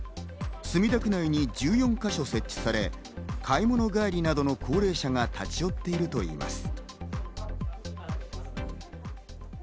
墨田区内に１４か所設置され、買い物帰りなどの高齢者が立ち寄っているといいます。